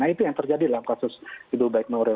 nah itu yang terjadi dalam kasus ibu baik nuril